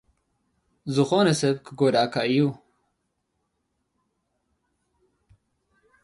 ዝኾነ ሰብ ክጎድኣካ እዩ።